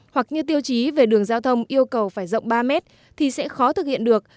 hoặc như tiêu chí về đường giao thông yêu cầu phải rộng ba mét thì sẽ khó thực hiện được